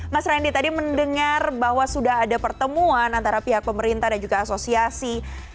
mas randy tadi mendengar bahwa sudah ada pertemuan antara pihak pemerintah dan juga asosiasi